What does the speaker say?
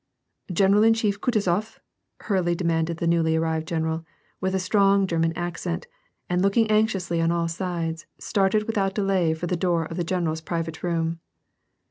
"General in chief Kutuzof ?" hurriedly demanded the newly arrived general, with a strong German accent, and looking anx iously on all sides, started without delay for the door of the general's private room.